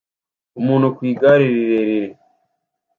Umuntu ku igare rirerire